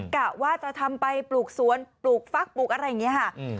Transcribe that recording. กะว่าจะทำไปปลูกสวนปลูกฟักปลูกอะไรอย่างนี้ค่ะ